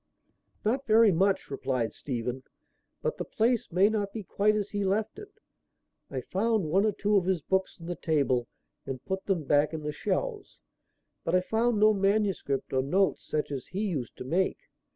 "Not very much," replied Stephen. "But the place may not be quite as he left it. I found one or two of his books on the table and put them back in the shelves, but I found no manuscript or notes such as he used to make.